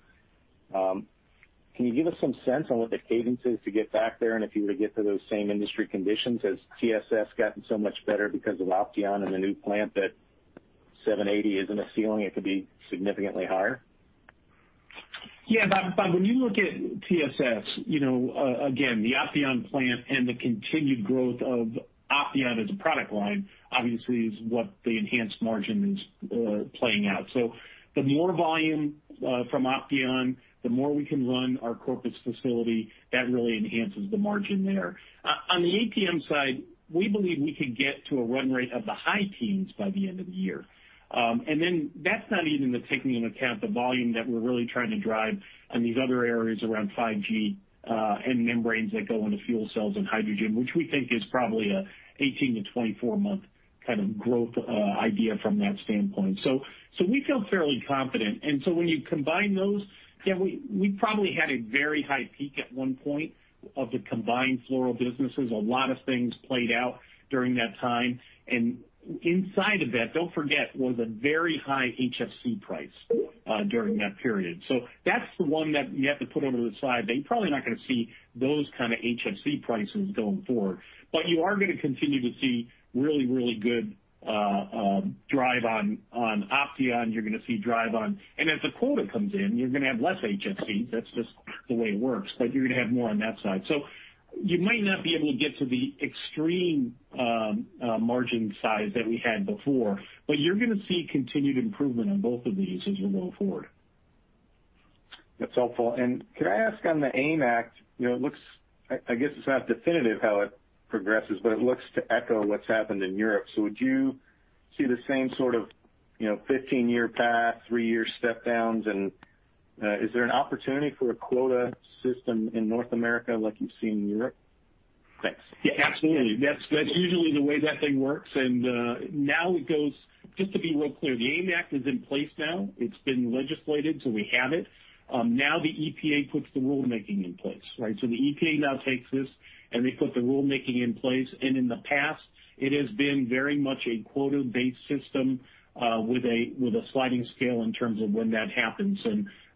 can you give us some sense on what the cadence is to get back there, and if you were to get to those same industry conditions, has TSS gotten so much better because of Opteon and the new plant that $780 million isn't a ceiling, it could be significantly higher? Yeah, Bob. When you look at TSS, again, the Opteon plant and the continued growth of Opteon as a product line obviously is what the enhanced margin is playing out. The more volume from Opteon, the more we can run our Corpus facility, that really enhances the margin there. On the APM side, we believe we could get to a run rate of the high teens by the end of the year. That's not even taking into account the volume that we're really trying to drive on these other areas around 5G, and membranes that go into fuel cells and hydrogen, which we think is probably a 18-24-month kind of growth idea from that standpoint. We feel fairly confident. When you combine those, we probably had a very high peak at one point of the combined fluoro businesses. A lot of things played out during that time. Inside of that, don't forget, was a very high HFC price during that period. That's the one that you have to put under the side that you're probably not going to see those kind of HFC prices going forward. You are going to continue to see really good drive on Opteon. As the quota comes in, you're going to have less HFC, that's just the way it works. You're going to have more on that side. You might not be able to get to the extreme margin size that we had before. You're going to see continued improvement on both of these as we go forward. That's helpful. Could I ask on the AIM Act, I guess it's not definitive how it progresses, but it looks to echo what's happened in Europe. Would you see the same sort of 15-year path, three-year step downs, and is there an opportunity for a quota system in North America like you've seen in Europe? Thanks. Yeah, absolutely. That's usually the way that thing works. Now it goes, just to be real clear, the AIM Act is in place now. It's been legislated, so we have it. Now the EPA puts the rulemaking in place, right? The EPA now takes this, and they put the rulemaking in place, and in the past, it has been very much a quota-based system with a sliding scale in terms of when that happens.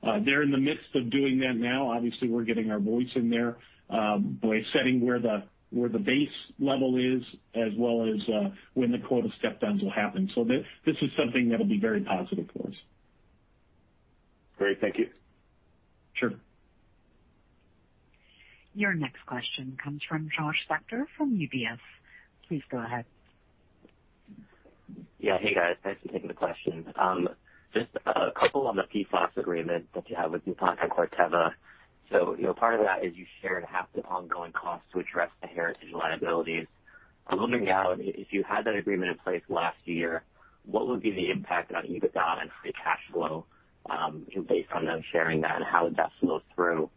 They're in the midst of doing that now. Obviously, we're getting our voice in there by setting where the base level is as well as when the quota step downs will happen. This is something that'll be very positive for us. Great. Thank you. Sure. Your next question comes from Josh Spector from UBS. Please go ahead. Hey, guys. Thanks for taking the question. Just a couple on the PFAS agreement that you have with DuPont and Corteva. Part of that is you shared half the ongoing cost to address the heritage liabilities. I'm wondering, Sameer, if you had that agreement in place last year, what would be the impact on EBITDA and free cash flow based on them sharing that, and how would that flow through?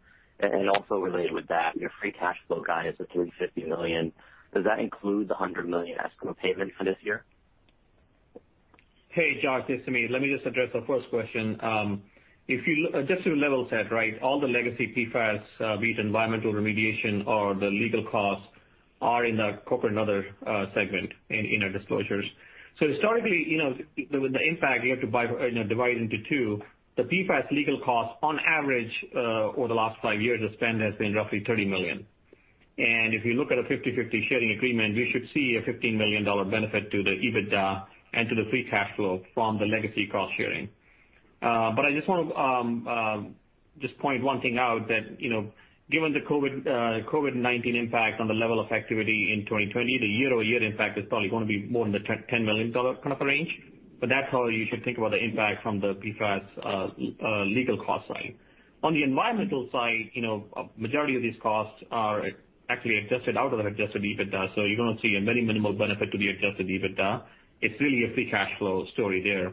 Also related with that, your free cash flow guide is at $350 million. Does that include the $100 million escrow payment for this year? Hey, Josh, it's Sameer. Let me just address the first question. Just to level set, right? All the legacy PFAS, be it environmental remediation or the legal costs, are in the corporate and other segment in our disclosures. Historically, with the impact, you have to divide into two. The PFAS legal costs on average over the last five years of spend has been roughly $30 million. If you look at a 50/50 sharing agreement, we should see a $15 million benefit to the EBITDA and to the free cash flow from the legacy cost sharing. I just want to just point one thing out that, given the COVID-19 impact on the level of activity in 2020, the year-over-year impact is probably going to be more in the $10 million kind of range. That's how you should think about the impact from the PFAS legal cost side. On the environmental side, majority of these costs are actually adjusted out of the adjusted EBITDA, so you're going to see a very minimal benefit to the adjusted EBITDA. It's really a free cash flow story there.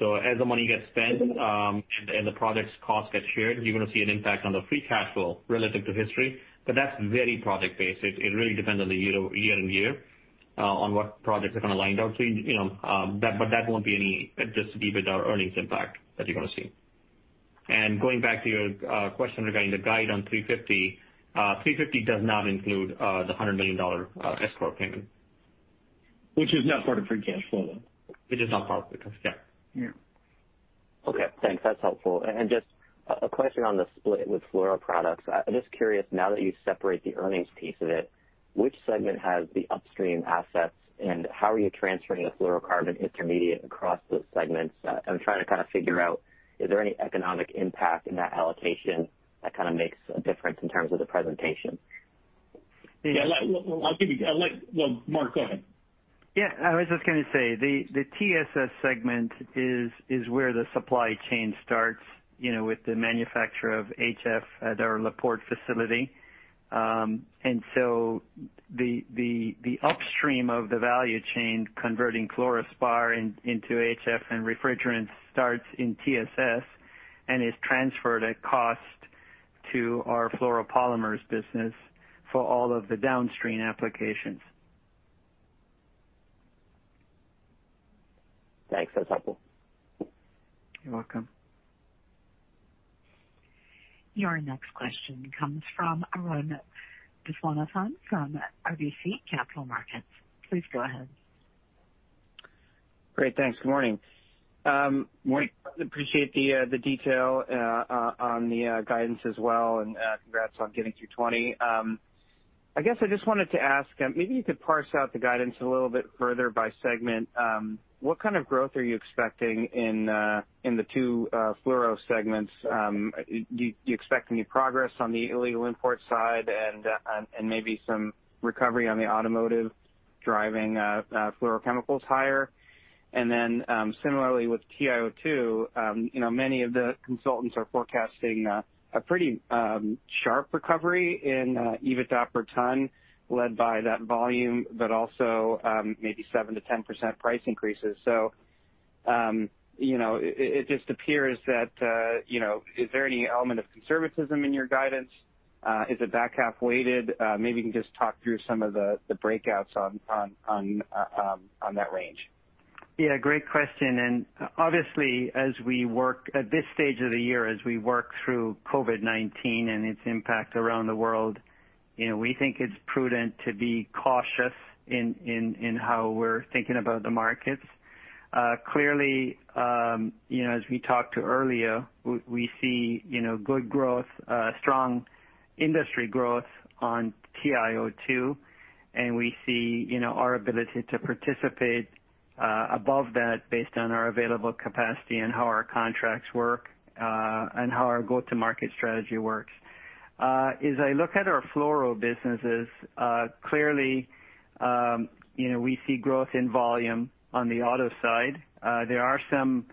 As the money gets spent, and the project's costs get shared, you're going to see an impact on the free cash flow relative to history, but that's very project based. It really depends on the year-on-year, on what projects are lined up. That won't be any adjusted EBITDA earnings impact that you're going to see. Going back to your question regarding the guide on $350 million does not include the $100 million escrow payment. Which is not part of free cash flow then. Which is not part of free cash, yeah. Yeah. Okay, thanks. That's helpful. Just a question on the split with Fluoroproducts. I'm just curious, now that you separate the earnings piece of it, which segment has the upstream assets, and how are you transferring the fluorocarbon intermediate across those segments? I'm trying to figure out, is there any economic impact in that allocation that kind of makes a difference in terms of the presentation? Yeah. Mark, go ahead. Yeah, I was just gonna say, the TSS segment is where the supply chain starts with the manufacture of HF at our La Porte facility. The upstream of the value chain converting fluorspar into HF and refrigerant starts in TSS and is transferred at cost to our fluoropolymers business for all of the downstream applications. Thanks. That's helpful. You're welcome. Your next question comes from Arun Viswanathan from RBC Capital Markets. Please go ahead. Great, thanks. Good morning. Morning. Appreciate the detail on the guidance as well. Congrats on getting through 2020. I guess I just wanted to ask, maybe you could parse out the guidance a little bit further by segment. What kind of growth are you expecting in the two fluoro segments? Do you expect any progress on the illegal import side and maybe some recovery on the automotive driving fluorochemicals higher? Similarly with TiO2, many of the consultants are forecasting a pretty sharp recovery in EBITDA per ton led by that volume, but also maybe 7%-10% price increases. Is there any element of conservatism in your guidance? Is it back-half weighted? Maybe you can just talk through some of the breakouts on that range. Yeah, great question, and obviously at this stage of the year, as we work through COVID-19 and its impact around the world, we think it's prudent to be cautious in how we're thinking about the markets. Clearly, as we talked to earlier, we see good growth, strong industry growth on TiO2, and we see our ability to participate above that based on our available capacity and how our contracts work, and how our go-to-market strategy works. As I look at our fluoro businesses, clearly we see growth in volume on the auto side. There are some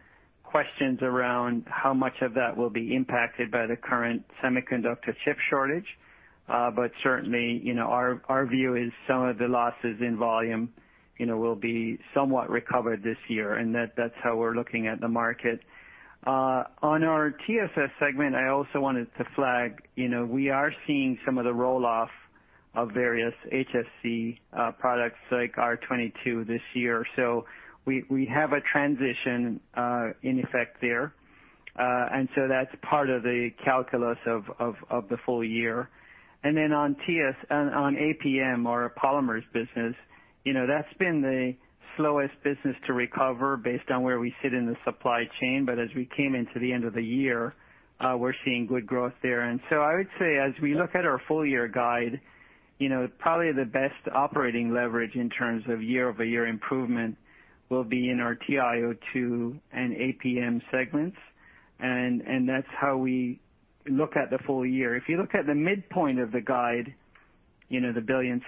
questions around how much of that will be impacted by the current semiconductor chip shortage. Certainly our view is some of the losses in volume will be somewhat recovered this year, and that's how we're looking at the market. On our TSS segment, I also wanted to flag we are seeing some of the roll-off of various HFC products like R-22 this year. We have a transition in effect there. That's part of the calculus of the full-year. On APM, our polymers business, that's been the slowest business to recover based on where we sit in the supply chain. As we came into the end of the year, we're seeing good growth there. I would say as we look at our full-year guide, probably the best operating leverage in terms of year-over-year improvement will be in our TiO2 and APM segments. That's how we look at the full-year. If you look at the midpoint of the guide, the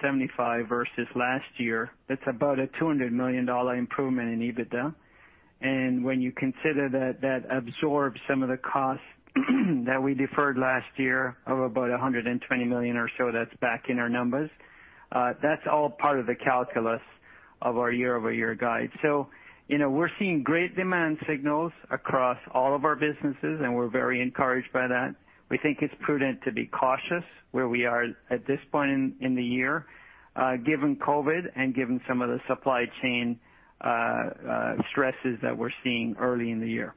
$1.075 billion versus last year that's about a $200 million improvement in EBITDA, and when you consider that that absorbs some of the costs that we deferred last year of about $120 million or so that's back in our numbers. That's all part of the calculus of our year-over-year guide. We're seeing great demand signals across all of our businesses, and we're very encouraged by that. We think it's prudent to be cautious where we are at this point in the year, given COVID-19 and given some of the supply chain stresses that we're seeing early in the year.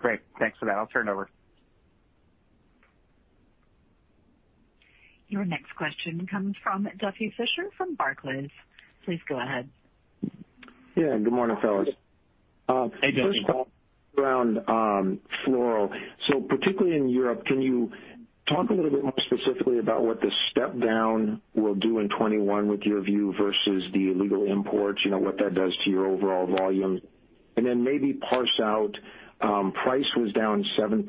Great. Thanks for that. I'll turn it over. Your next question comes from Duffy Fischer from Barclays. Please go ahead. Yeah. Good morning, fellas. Hey, Duffy. First off, around fluoro. Particularly in Europe, can you talk a little bit more specifically about what the step down will do in 2021 with your view versus the illegal imports, what that does to your overall volume? Maybe parse out, price was down 7%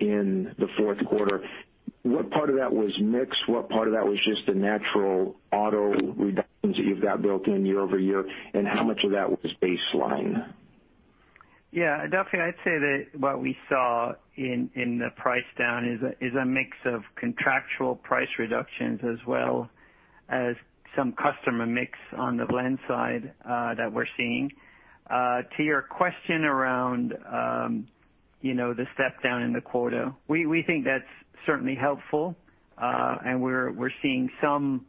in the fourth quarter. What part of that was mix? What part of that was just the natural auto reductions that you've got built in year-over-year, and how much of that was baseline? Yeah. Duffy, I'd say that what we saw in the price down is a mix of contractual price reductions, as well as some customer mix on the blend side that we're seeing. To your question around the step down in the quarter, we think that's certainly helpful, and we're seeing some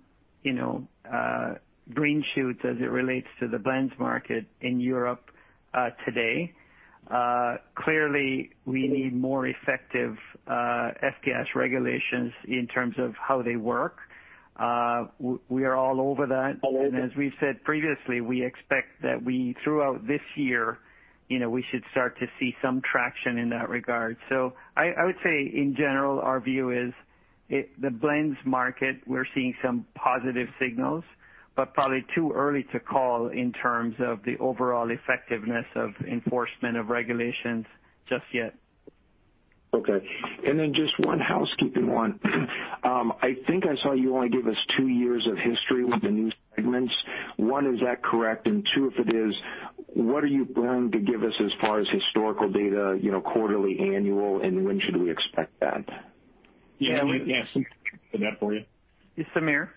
green shoots as it relates to the blends market in Europe today. Clearly, we need more effective F-gas regulations in terms of how they work. We are all over that. As we've said previously, we expect that throughout this year, we should start to see some traction in that regard. I would say, in general, our view is the blends market, we're seeing some positive signals, but probably too early to call in terms of the overall effectiveness of enforcement of regulations just yet. Okay. Just one housekeeping one. I think I saw you only give us two years of history with the new segments. One, is that correct? Two, if it is, what are you planning to give us as far as historical data, quarterly, annual, and when should we expect that? Yeah. Yeah. Sameer can answer that for you. Yeah, Sameer.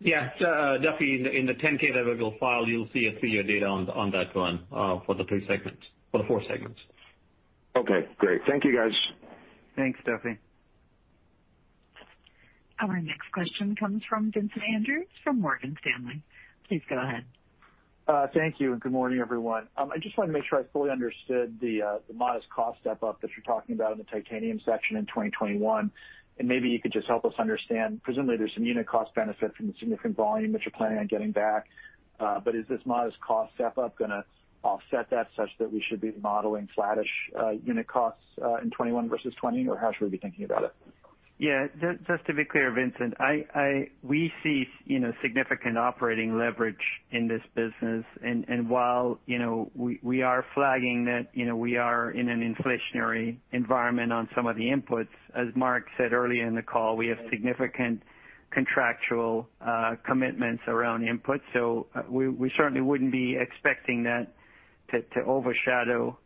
Yeah. Duffy, in the 10-K that we'll file, you'll see a two-year data on that one for the four segments. Okay, great. Thank you, guys. Thanks, Duffy. Our next question comes from Vincent Andrews from Morgan Stanley. Please go ahead. Thank you, and good morning, everyone. I just wanted to make sure I fully understood the modest cost step-up that you're talking about in the Titanium section in 2021, and maybe you could just help us understand. Presumably, there's some unit cost benefit from the significant volume that you're planning on getting back. But is this modest cost step-up going to offset that such that we should be modeling flattish unit costs in 2021 versus 2020, or how should we be thinking about it? Yeah. Just to be clear, Vincent, we see significant operating leverage in this business, and while we are flagging that we are in an inflationary environment on some of the inputs, as Mark said earlier in the call, we have significant contractual commitments around inputs. We certainly wouldn't be expecting that to overshadow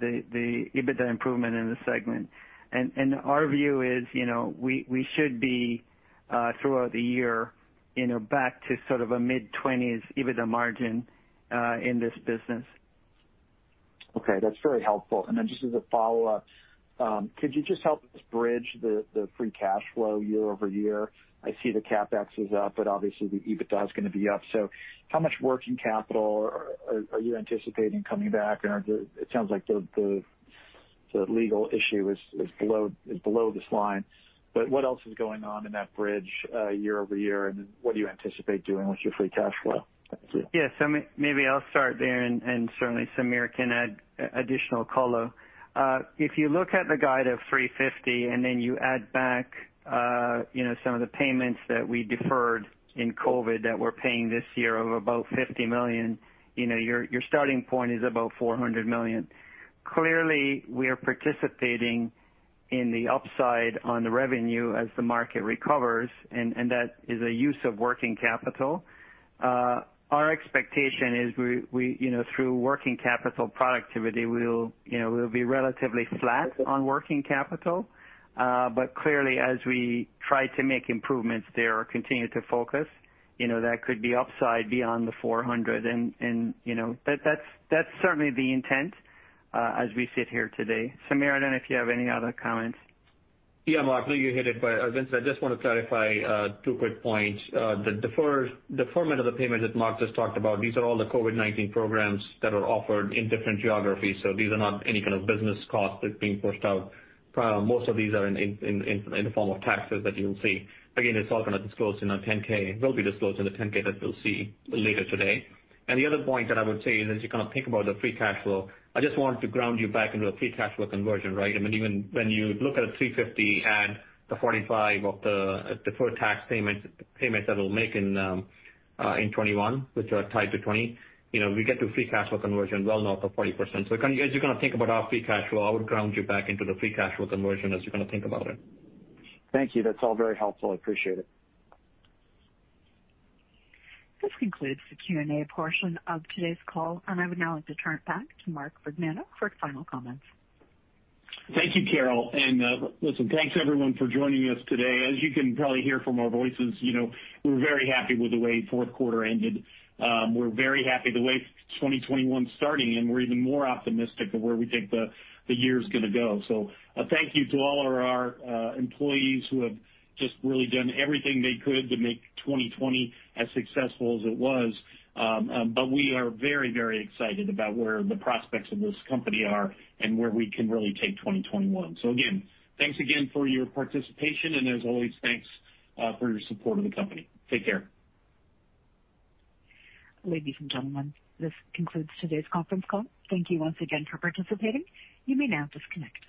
the EBITDA improvement in the segment. Our view is, we should be, throughout the year, back to a mid-20s EBITDA margin in this business. Okay, that's very helpful. Then just as a follow-up, could you just help us bridge the free cash flow year-over-year? I see the CapEx is up, but obviously the EBITDA is going to be up. How much working capital are you anticipating coming back? It sounds like the legal issue is below this line. What else is going on in that bridge year-over-year, and what do you anticipate doing with your free cash flow? Thank you. Yeah. Maybe I'll start there, and certainly Sameer can add additional color. If you look at the guide of $350 million, and then you add back some of the payments that we deferred in COVID-19 that we're paying this year of about $50 million, your starting point is about $400 million. Clearly, we are participating in the upside on the revenue as the market recovers, and that is a use of working capital. Our expectation is through working capital productivity, we'll be relatively flat on working capital. Clearly, as we try to make improvements there or continue to focus, that could be upside beyond the $400 million. That's certainly the intent as we sit here today. Sameer, I don't know if you have any other comments. Yeah, Mark, no, you hit it. Vincent, I just want to clarify two quick points. The deferment of the payment that Mark just talked about, these are all the COVID-19 programs that are offered in different geographies. These are not any kind of business costs that are being pushed out. Most of these are in the form of taxes that you will see. Again, it's all going to disclose in our 10-K. It will be disclosed in the 10-K that you'll see later today. The other point that I would say is as you think about the free cash flow, I just wanted to ground you back into a free cash flow conversion, right? Even when you look at a $350 million guide, the $45 million of the deferred tax payment that we'll make in 2021, which are tied to 2020. We get to free cash flow conversion well north of 40%. As you think about our free cash flow, I would ground you back into the free cash flow conversion as you think about it. Thank you. That's all very helpful. I appreciate it. This concludes the Q&A portion of today's call, and I would now like to turn it back to Mark Vergnano for his final comments. Thank you, Carol. Listen, thanks everyone for joining us today. As you can probably hear from our voices, we're very happy with the way fourth quarter ended. We're very happy the way 2021's starting, and we're even more optimistic of where we think the year's going to go. A thank you to all of our employees who have just really done everything they could to make 2020 as successful as it was. We are very, very excited about where the prospects of this company are and where we can really take 2021. Again, thanks again for your participation, and as always, thanks for your support of the company. Take care. Ladies and gentlemen, this concludes today's conference call. Thank you once again for participating. You may now disconnect.